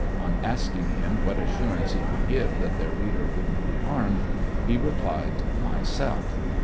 On asking him what assurance he could give that their leader wouldn't be harmed, he replied, "myself."